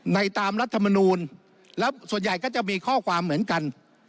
ตามรัฐมนูลแล้วส่วนใหญ่ก็จะมีข้อความเหมือนกัน